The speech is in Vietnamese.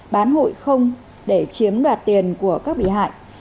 bán hụi không để chiếm đoạt tiền của các bị hại